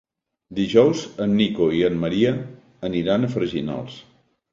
Dijous en Nico i en Maria aniran a Freginals.